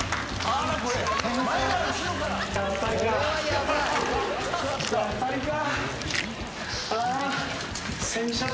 やっぱりか。